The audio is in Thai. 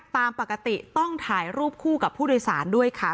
ตามปกติต้องถ่ายรูปคู่กับผู้โดยสารด้วยค่ะ